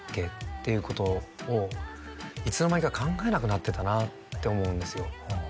っていうことをいつの間にか考えなくなってたなって思うんですよ